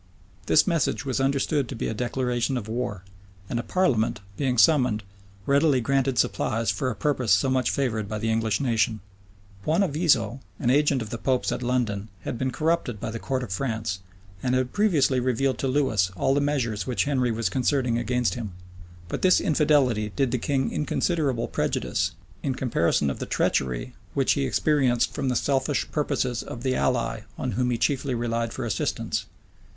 This message was understood to be a declaration of war; and a parliament, being summoned, readily granted supplies for a purpose so much favored by the English nation.[] * Guicciard. lib. xi. P. Daniel, vol ii. p. 1893. Herbert. Holingshed, p. 831. Herbert. Holingshed, p. 811. Buonaviso, an agent of the pope's at London, had been corrupted by the court of France, and had previously revealed to Lewis all the measures which Henry was concerting against him. But this infidelity did the king inconsiderable prejudice, in comparison of the treachery which he experienced from the selfish purposes of the ally on whom he chiefly relied for assistance.